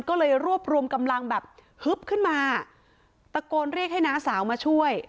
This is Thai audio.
ก็เลยรวบรวมกำลังแบบฮึบขึ้นมาตะโกนเรียกให้น้าสาวมาช่วย